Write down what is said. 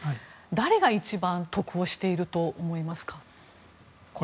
誰が一番得をしていると思いますか？